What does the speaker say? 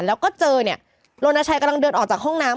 แล้วก็เจอเนี่ยโรนชัยกำลังเดินออกจากห้องน้ำ